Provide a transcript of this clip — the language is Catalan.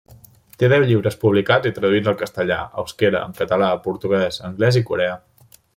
Té deu llibres publicats i traduïts al castellà, euskera, català, portuguès, anglès i coreà.